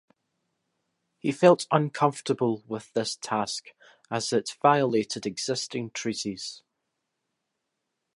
He felt uncomfortable with this task as it violated existing treaties.